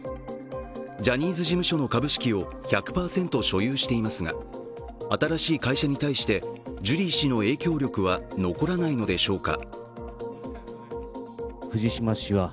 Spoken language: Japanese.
ジャニーズ事務所の株式を１００％所有していますが新しい会社に対してジュリー氏の影響力は残らないのでしょうか。